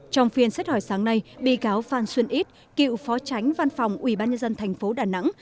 trong phiên xét hỏi sáng nay bị cáo phan xuân ít cựu phó tránh văn phòng ubnd tp đà nẵng